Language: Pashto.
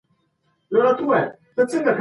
د بهرنۍ سوداګرۍ لپاره سياسي تګلاره جوړېږي.